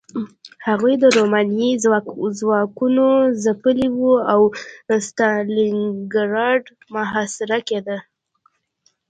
هغوی رومانیايي ځواکونه ځپلي وو او ستالینګراډ محاصره کېده